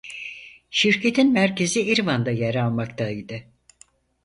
Şirketin merkezi Erivan'da yer almaktaydı.